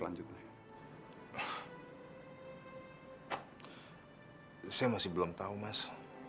saya masih belum tahu mas